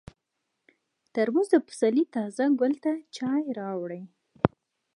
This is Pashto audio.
ترموز د پسرلي تازه ګل ته چای راوړي.